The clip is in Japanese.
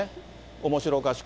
おもしろおかしく。